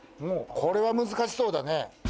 これは難しそうだね。